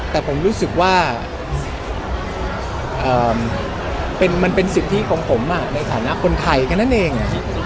แต่ผมรู้สึกว่ามันเป็นสิทธิของผมในฐานะคนไทยแค่นั้นเอง